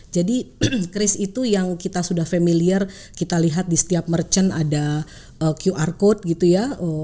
cris itu yang kita sudah familiar kita lihat di setiap merchant ada qr code gitu ya